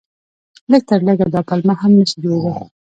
لږ تر لږه دا پلمه هم نه شي جوړېدلای.